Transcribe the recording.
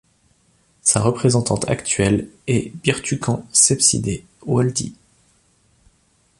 Sa représentante actuelle est Birtukan Sebsibe Woldie.